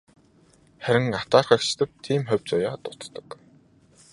Харин атаархагчдад ийм хувь заяа дутдаг.